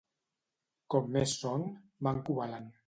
Com més són, manco valen.